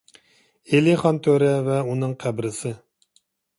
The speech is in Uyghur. ئېلىخان تۆرە ۋە ئۇنىڭ قەبرىسى